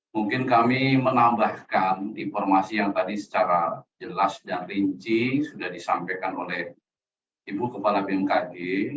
mungkin kami menambahkan informasi yang tadi secara jelas dan rinci sudah disampaikan oleh ibu kepala bmkg